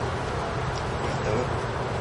马里尼莱沙泰人口变化图示